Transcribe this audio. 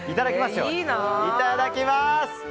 いただきます！